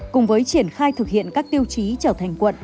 cùng với triển khai thực hiện các tiêu chí trở thành quận